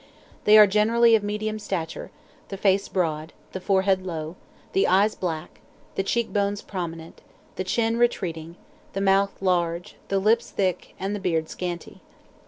They are generally of medium stature, the face broad, the forehead low, the eyes black, the cheekbones prominent, the chin retreating, the mouth large, the lips thick, and the beard scanty.